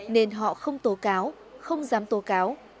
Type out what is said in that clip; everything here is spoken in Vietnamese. nên họ không tố cáo không dám tố cáo